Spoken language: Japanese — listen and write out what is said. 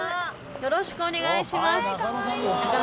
よろしくお願いします。